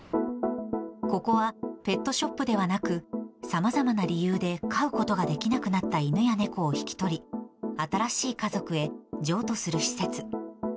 ここはペットショップではなく、さまざまな理由で飼うことができなくなった犬や猫を引き取り、新しい家族へ譲渡する施設。